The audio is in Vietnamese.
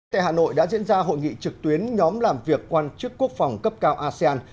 tại hà nội đã diễn ra hội nghị trực tuyến nhóm làm việc quan chức quốc phòng cấp cao asean